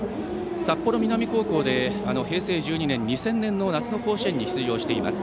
札幌南高校で、平成１２年夏の甲子園に出場しています。